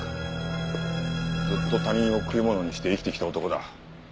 ずっと他人を食い物にして生きてきた男だ。